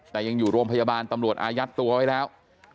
แต่ยังอยู่โรงพยาบาลตำรวจอายัดตัวไว้แล้ว